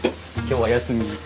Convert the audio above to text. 今日は休み。